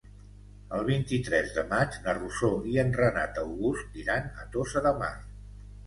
El vint-i-tres de maig na Rosó i en Renat August iran a Tossa de Mar.